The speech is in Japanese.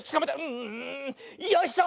うんよいしょ！